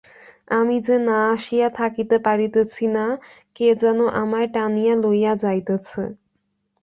আমি যে না আসিয়া থাকিতে পারিতেছি না, কে যেন আমায় টানিয়া লইয়া যাইতেছে।